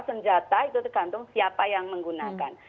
senjata itu tergantung siapa yang menggunakan